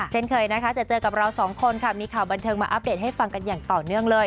เช่นเคยนะคะจะเจอกับเราสองคนค่ะมีข่าวบันเทิงมาอัปเดตให้ฟังกันอย่างต่อเนื่องเลย